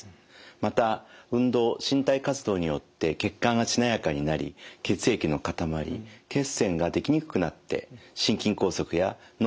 また運動身体活動によって血管がしなやかになり血液の塊血栓が出来にくくなって心筋梗塞や脳梗塞の予防につながります。